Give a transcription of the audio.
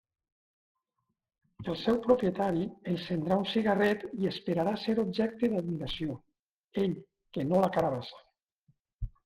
El seu propietari encendrà un cigarret i esperarà ser objecte d'admiració, ell, que no la carabassa.